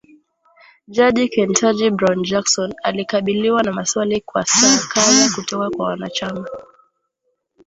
jaji Ketanji Brown Jackson alikabiliwa na maswali kwa saa kadhaa kutoka kwa wanachama